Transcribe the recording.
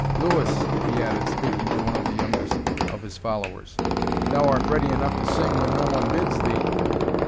Louis," he added, speaking to one of the youngest of his followers, "thou art ready enough to sing when no one bids thee."